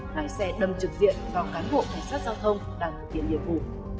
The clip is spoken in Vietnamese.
lái xe đâm trực diện vào cán bộ cảnh sát giao thông đang thực hiện nhiệm vụ